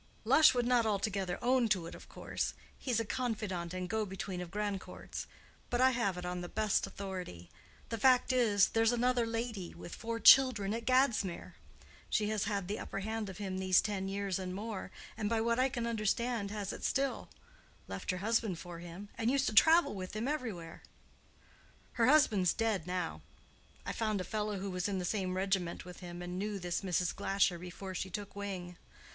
"Lush would not altogether own to it, of course. He's a confident and go between of Grandcourt's. But I have it on the best authority. The fact is, there's another lady with four children at Gadsmere. She has had the upper hand of him these ten years and more, and by what I can understand has it still—left her husband for him, and used to travel with him everywhere. Her husband's dead now; I found a fellow who was in the same regiment with him, and knew this Mrs. Glasher before she took wing.